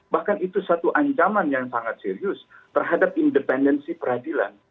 bahkan itu satu ancaman yang sangat serius terhadap independensi peradilan